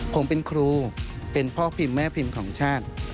ผมเป็นครูเป็นพ่อพิมพ์แม่พิมพ์ของชาติ